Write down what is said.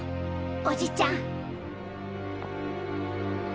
おじちゃん。